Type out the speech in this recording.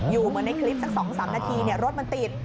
เหมือนในคลิปสัก๒๓นาทีรถมันติด